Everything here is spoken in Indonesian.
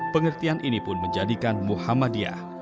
pengertian ini pun menjadikan muhammadiyah